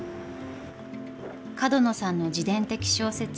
角野さんの自伝的小説